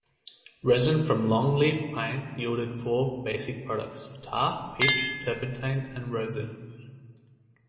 Resin from longleaf pine yielded four basic products: tar, pitch, turpentine and rosin.